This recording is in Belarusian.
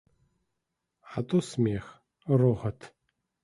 А то смех, рогат.